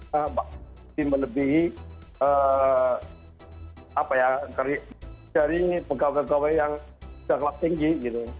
tapi menebihi apa ya cari pekerjaan pekerjaan yang tinggi gitu